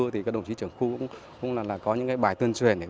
tôi thì các đồng chí trưởng khu cũng là có những bài tuyên truyền